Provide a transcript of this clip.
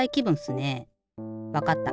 わかった。